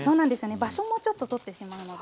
場所もちょっと取ってしまうので。